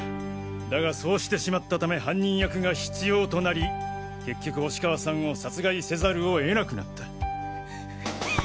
だがそうしてしまったため犯人役が必要となり結局押川さんを殺害せざるを得なくなった。